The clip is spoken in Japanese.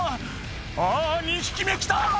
「あぁ２匹目来た！」